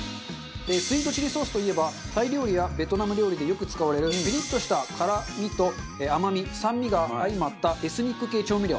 スイートチリソースといえばタイ料理やベトナム料理でよく使われるピリッとした辛みと甘み酸味が相まったエスニック系調味料。